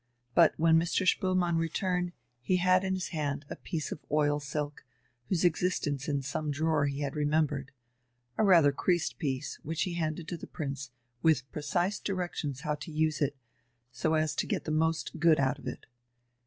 But when Mr. Spoelmann returned he had in his hand a piece of oil silk, whose existence in some drawer he had remembered: a rather creased piece, which he handed to the Prince with precise directions how to use it, so as to get the most good out of it.